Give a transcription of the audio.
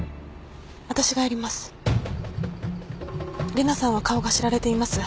玲奈さんは顔が知られています。